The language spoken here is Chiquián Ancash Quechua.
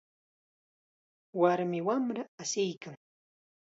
Warmi wamra asiykan.